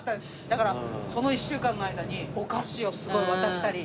だからその１週間の間にお菓子をすごい渡したり。